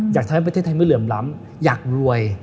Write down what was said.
อยากให้ประเทศไทยไม่เหลื่อมล้ำอยากรวย